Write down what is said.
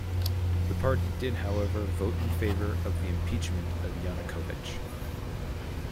The party did however vote in favour of the impeachment of Yanukovych.